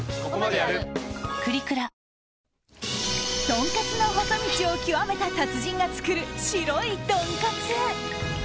とんかつの細道を極めた達人が作る、白いとんかつ。